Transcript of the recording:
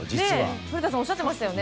古田さんおっしゃってましたよね。